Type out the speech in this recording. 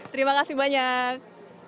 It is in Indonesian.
terima kasih banyak